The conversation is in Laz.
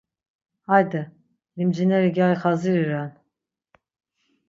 Hayde limcineri gyari xaziri ren.